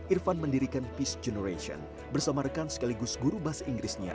irfan mendirikan peace generation bersama rekan sekaligus guru bahasa inggrisnya